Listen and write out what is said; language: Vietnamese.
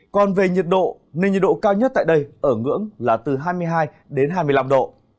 còn về nhiệt độ nền nhiệt độ cao nhất tại đây ở ngưỡng là từ hai mươi hai đến hai mươi năm độ